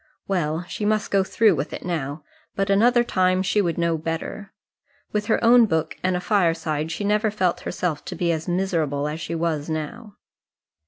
Well, she must go through with it now; but another time she would know better. With her own book and a fireside she never felt herself to be miserable as she was now.